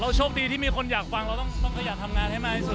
โชคดีที่มีคนอยากฟังเราต้องขยันทำงานให้มากที่สุด